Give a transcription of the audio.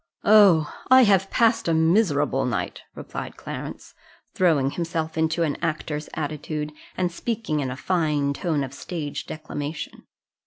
"Oh! I have passed a miserable night," replied Clarence, throwing himself into an actor's attitude, and speaking in a fine tone of stage declamation.